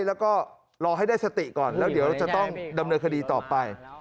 แล้วก็รอให้ได้สติก่อนแล้วเดี๋ยวจะต้องดำเนินคดีต่อไป